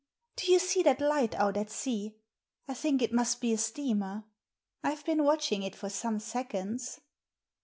Do you see that light out at sea? I think it must be a steamer. I've been watching it for some seconds."